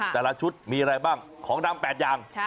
แต่ละชุดมีอะไรบ้างของดำ๘อย่าง